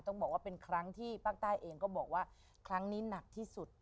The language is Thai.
ต้องบอกว่าเป็นครั้งที่ภาคใต้เองก็บอกว่าครั้งนี้หนักที่สุด